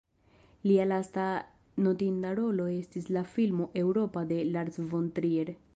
Lia lasta notinda rolo estis en la filmo "Eŭropa" de Lars von Trier.